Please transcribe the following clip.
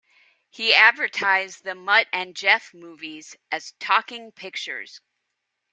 He advertised the "Mutt and Jeff" movies as "talking pictures".